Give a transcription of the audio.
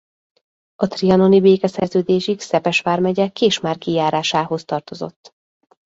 A trianoni békeszerződésig Szepes vármegye Késmárki járásához tartozott.